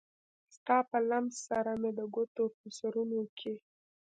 ستا په لمس سره مې د ګوتو په سرونو کې